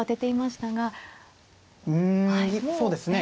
うんそうですね